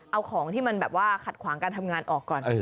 เอาของที่มันแบบว่าขัดขวางการทำงานออกก่อน